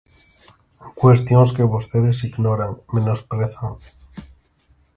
Cuestións que vostedes ignoran, menosprezan.